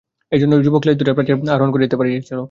এইজন্যই যুবক লেজ ধরিয়া প্রাচীর আরোহণ করিতে পারিয়াছিল।